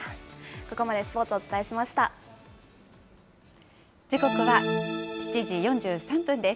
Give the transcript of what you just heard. ここまでスポーツをお伝えしまし時刻は７時４３分です。